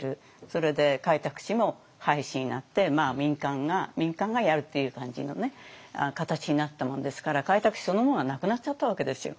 それで開拓使も廃止になって民間がやるっていう感じの形になったもんですから開拓使そのものはなくなっちゃったわけですよ。